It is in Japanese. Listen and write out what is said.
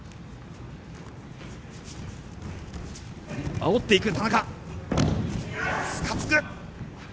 あおっていく、田中！